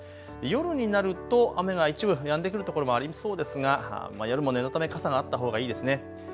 夜になると雨が一部やんでくる所もありそうですが夜も念のため傘があったほうがいいですね。